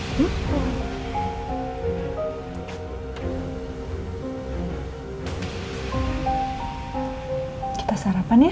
hai kita sarapan ya